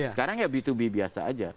sekarang ya b dua b biasa aja